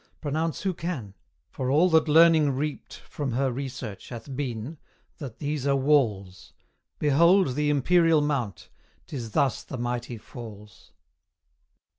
Pronounce who can; for all that Learning reaped From her research hath been, that these are walls Behold the Imperial Mount! 'tis thus the mighty falls.